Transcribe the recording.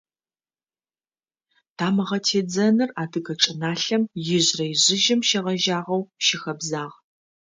Тамыгъэ тедзэныр адыгэ чӏыналъэм ижърэ-ижъыжьым щегъэжьагъэу щыхэбзагъ.